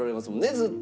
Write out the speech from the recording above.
ずっと。